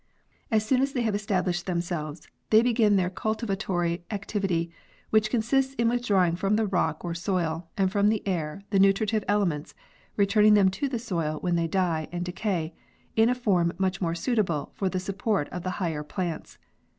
As soon as they have established them selves they begin their cultivatory activity, which consists in withdrawing from the rock or soil and from the air the nutritive elements, returning them to the soil when they die and decay, in a form much more suitable for the support of the higher plants.